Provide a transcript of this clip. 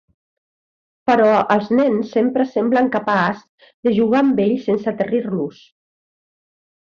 Però els nens sempre semblen capaç de jugar amb ells sense aterrir-los.